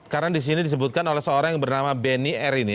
karena disini disebutkan oleh seorang yang bernama benny r ini